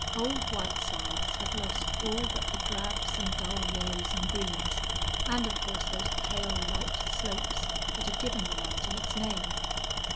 Old White Slides had lost all but the drabs and dull yellows and greens, and of course those pale, light slopes that had given the mountain its name.